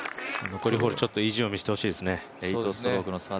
残りホール、ちょっと意地を見せてほしいですね。